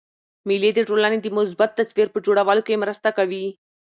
مېلې د ټولني د مثبت تصویر په جوړولو کښي مرسته کوي.